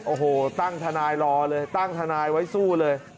โอ้โหตั้งทนายรอเลยตั้งทนายไว้สู้เลย